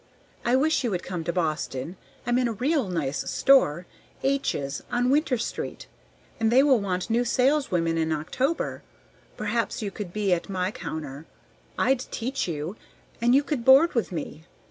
I wish you would come to Boston. I'm in a real nice store, H 's, on Winter Street; and they will want new saleswomen in October. Perhaps you could be at my counter. I'd teach you, and you could board with me.